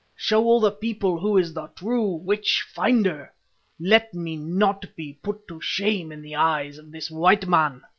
"Show all the people who is the true Witch Finder! "Let me not be put to shame in the eyes of this white man!"